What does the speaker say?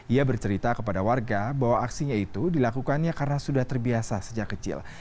ia bercerita kepada warga bahwa aksinya itu dilakukannya karena sudah terbiasa sejak kecil